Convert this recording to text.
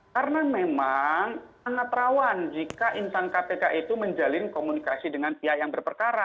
karena memang sangat rawan jika insan kpk itu menjalin komunikasi dengan pihak yang berperkara